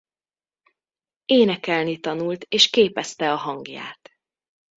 Énekelni tanult és képezte a hangját.